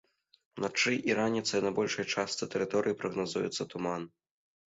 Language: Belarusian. Уначы і раніцай на большай частцы тэрыторыі прагназуецца туман.